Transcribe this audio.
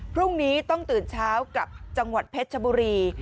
พรุ่งนี้ต้องตื่นเช้ากับจังหวัดเพชรชบุรี